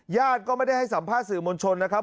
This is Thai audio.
ญาติก็ไม่ได้ให้สัมภาษณ์สื่อมวลชนนะครับ